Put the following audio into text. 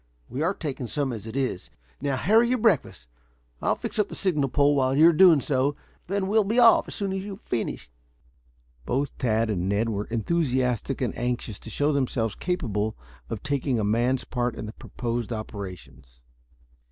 We are taking some as it is. Now, hurry your breakfast. I'll fix up the signal pole while you are doing so, then we'll be off as soon as you have finished." Both Tad and Ned were enthusiastic and anxious to show themselves capable of taking a man's part in the proposed operations.